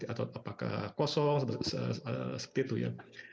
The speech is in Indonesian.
atau apakah kosong seperti itu ya